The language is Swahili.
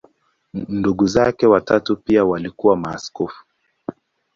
Ndugu zake watatu pia walikuwa maaskofu.